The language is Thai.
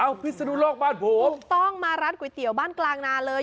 เอาพิศนุโลกบ้านผมถูกต้องมาร้านก๋วยเตี๋ยวบ้านกลางนาเลย